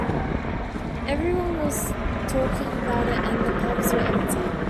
Everyone was talking about it and the pubs were empty.